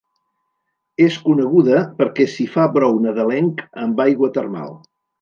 És coneguda perquè s’hi fa brou nadalenc amb aigua termal.